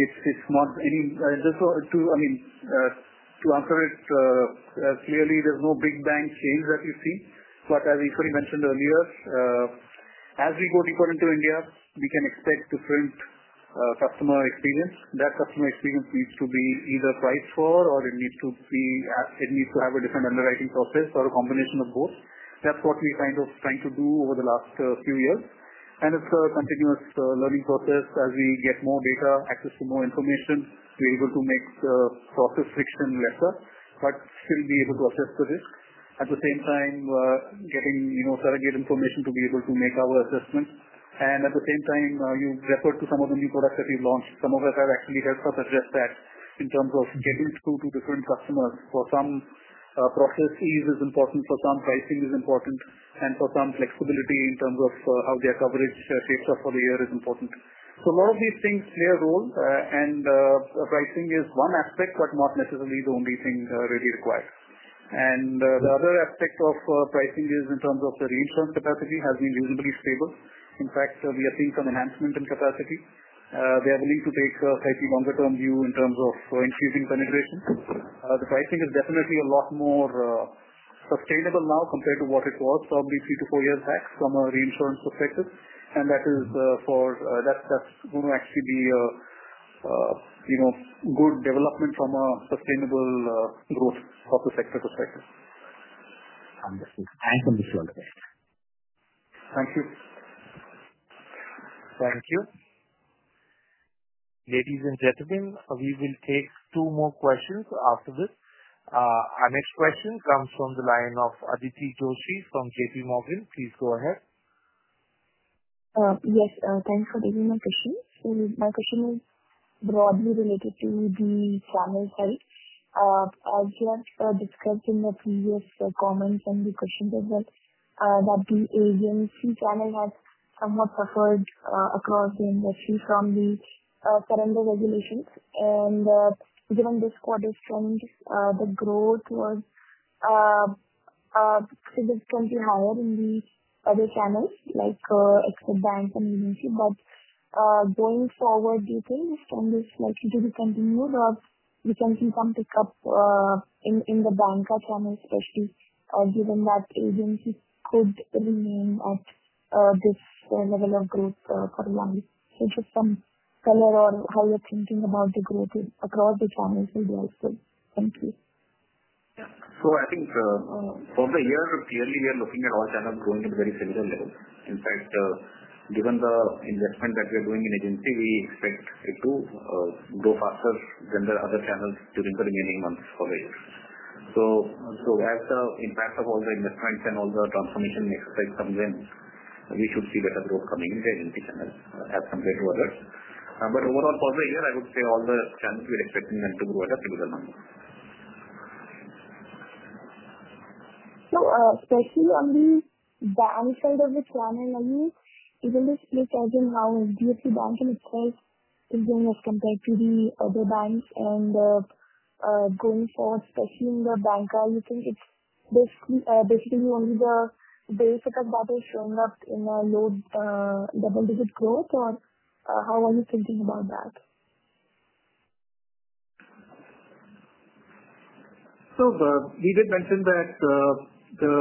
It's not any just to, I mean, to answer it clearly, there's no big bang change that we've seen. As Eshwari mentioned earlier, as we go deeper into India, we can expect different customer experience. That customer experience needs to be either priced for or it needs to have a different underwriting process or a combination of both. That's what we're kind of trying to do over the last few years. It's a continuous learning process. As we get more data, access to more information, we're able to make the process friction lesser, but still be able to assess the risk. At the same time, getting surrogate information to be able to make our assessments. At the same time, you referred to some of the new products that we've launched. Some of them have actually helped us address that in terms of getting through to different customers. For some, process ease is important. For some, pricing is important. For some, flexibility in terms of how their coverage shapes up for the year is important. A lot of these things play a role. Pricing is one aspect, but not necessarily the only thing really required. The other aspect of pricing is in terms of the reinsurance capacity has been reasonably stable. In fact, we are seeing some enhancement in capacity. They are willing to take a slightly longer-term view in terms of increasing penetration. The pricing is definitely a lot more sustainable now compared to what it was probably three to four years back from a reinsurance perspective. That is going to actually be a good development from a sustainable growth from the sector perspective. Thanks. Thanks for the slogan. Thank you. Thank you. Ladies and gentlemen, we will take two more questions after this. Our next question comes from the line of Aditi Joshi from JPMorgan. Please go ahead. Yes. Thanks for taking my question. My question is broadly related to the channel side. As you have described in the previous comments and the questions as well, the agency channel has somewhat suffered across the industry from the surrender regulations. Given this quarter's trend, the growth was significantly higher in the other channels like Exet Bank and agency. Going forward, do you think this trend is likely to be continued, or can we see some pickup in the banker channel, especially given that agencies could remain at this level of growth for a while? Just some color on how you're thinking about the growth across the channels would be helpful. Thank you. Yeah. So I think for the year, clearly, we are looking at all channels growing at very similar levels. In fact, given the investment that we are doing in agency, we expect it to grow faster than the other channels during the remaining months for the year. As the impact of all the investments and all the transformation exercise comes in, we should see better growth coming into agency channels as compared to others. Overall, for the year, I would say all the channels, we are expecting them to grow at a similar number. Especially on the bank side of the channel, Nadeep, even if you tell them how HDFC Bank and Exet is doing as compared to the other banks. Going forward, especially in the banker, you think it's basically only the base effect that is showing up in a low double-digit growth, or how are you thinking about that? Vibha mentioned that the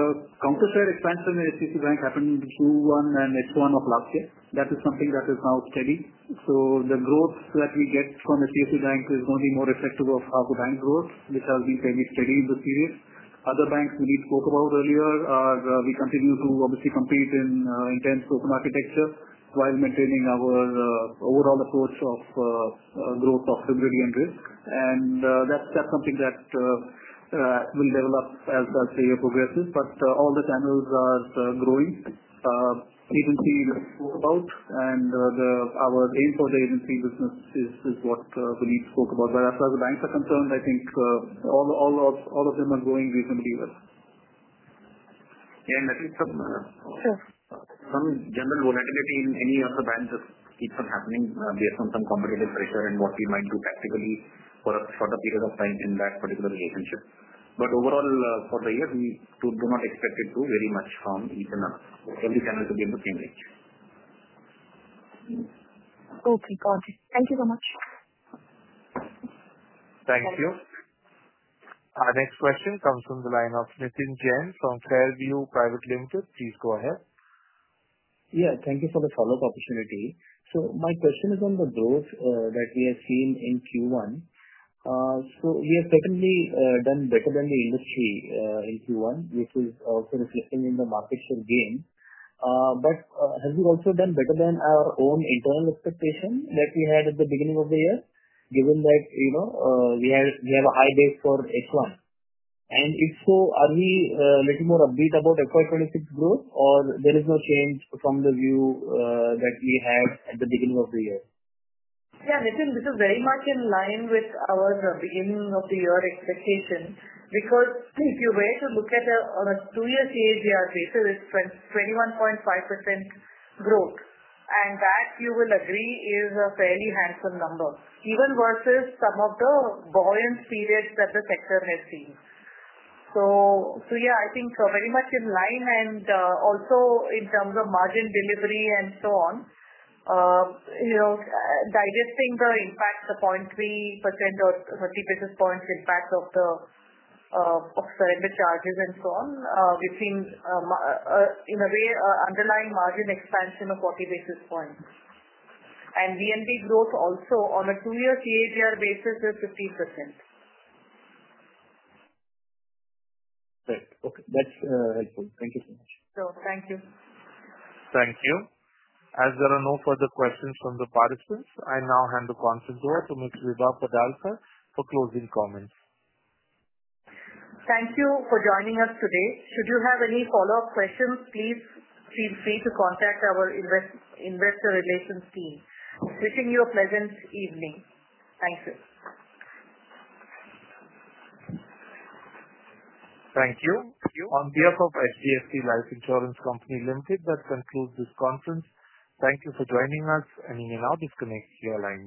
counter-share expansion in HDFC Bank happened in Q1 and H1 of last year. That is something that is now steady. The growth that we get from HDFC Bank is going to be more reflective of how the bank grows, which has been fairly steady in this period. Other banks we spoke about earlier are we continue to obviously compete in intense open architecture while maintaining our overall approach of growth of liquidity and risk. That is something that will develop as the year progresses. All the channels are growing. Agency that we spoke about and our aim for the agency business is what Vibha spoke about. As far as the banks are concerned, I think all of them are growing reasonably well. Yeah. I think some. Sure. Some general volatility in any of the banks just keeps on happening based on some competitive pressure and what we might do practically for a shorter period of time in that particular relationship. Overall, for the year, we do not expect it to vary much from each another. Every channel should be in the same range. Okay. Got it. Thank you so much. Thank you. Our next question comes from the line of Nitin Jain from Fairview Private Limited. Please go ahead. Yeah. Thank you for the follow-up opportunity. My question is on the growth that we have seen in Q1. We have certainly done better than the industry in Q1, which is also reflecting in the market share gain. Have we also done better than our own internal expectation that we had at the beginning of the year, given that we have a high base for H1? If so, are we a little more upbeat about FY2026 growth, or is there no change from the view that we had at the beginning of the year? Yeah. Nitin, this is very much in line with our beginning of the year expectation because if you were to look at a two-year CAGR basis, it's 21.5% growth. That, you will agree, is a fairly handsome number, even versus some of the buoyant periods that the sector has seen. Yeah, I think very much in line. Also in terms of margin delivery and so on. Digesting the impact, the 0.3% or 30 basis points impact of the surrender charges and so on, we've seen, in a way, an underlying margin expansion of 40 basis points. VNB growth also on a two-year CAGR basis is 15%. Great. Okay. That's helpful. Thank you so much. Thank you. Thank you. As there are no further questions from the participants, I now hand the conference over to Ms. Vibha Padalkar for closing comments. Thank you for joining us today. Should you have any follow-up questions, please feel free to contact our investor relations team. Wishing you a pleasant evening. Thank you. Thank you. On behalf of HDFC Life Insurance Company Limited, that concludes this conference. Thank you for joining us, and you may now disconnect your line.